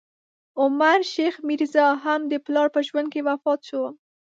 عمر شیخ میرزا، هم د پلار په ژوند کې وفات شو.